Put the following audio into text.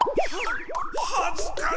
はずかしい。